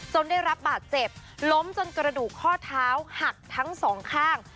ได้รับบาดเจ็บล้มจนกระดูกข้อเท้าหักทั้งสองข้าง